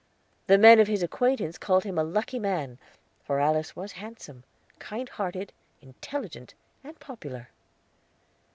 The men of his acquaintance called him a lucky man, for Alice was handsome, kind hearted, intelligent, and popular.